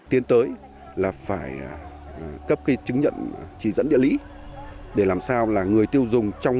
tiến tới là phải cấp cái chứng nhận chỉ dẫn địa lý để làm sao là người tiêu dùng trong